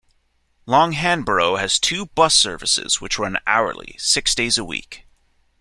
Long Hanborough has two bus services, which run hourly, six days a week.